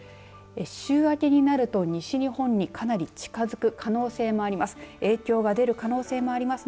週明けになると西日本にかなり近づく可能性もあります。